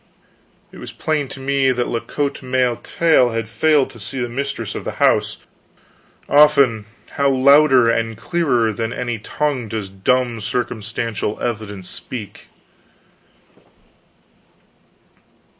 It was plain to me that La Cote Male Taile had failed to see the mistress of the house. Often, how louder and clearer than any tongue, does dumb circumstantial evidence speak.